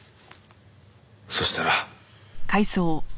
そしたら。